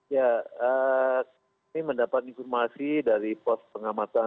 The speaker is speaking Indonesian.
ya kami mendapat informasi dari pos pengamatan